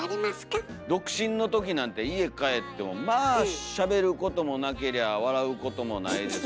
独身のときなんて家帰ってもまあしゃべることもなけりゃ笑うこともないですし。